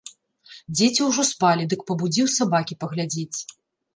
Дзеці ўжо спалі, дык пабудзіў сабакі паглядзець.